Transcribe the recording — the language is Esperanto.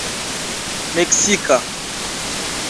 meksika